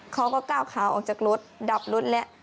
เขาก็ก้าวขาออกจากรถดับรถแล้ว